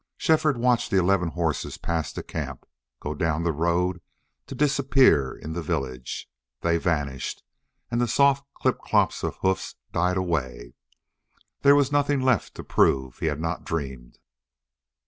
Shefford watched the eleven horses pass the camp, go down the road, to disappear in the village. They vanished, and the soft clip clops of hoofs died away. There was nothing left to prove he had not dreamed.